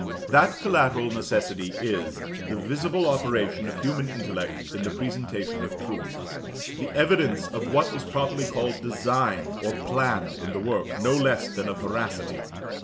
That collateral necessity is _the visible operation of human intellect in the presentation of truth, _the evidence of what is properly called design or plan in the work, no less than of veracity.